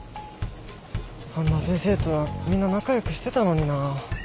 半田先生とはみんな仲良くしてたのになあ。